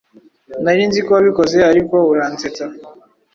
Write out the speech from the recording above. Nari nzi ko wabikoze ariko uransetsa.